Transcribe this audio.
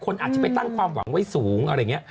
คนอาจจะไปตั้งความหวังไว้สูง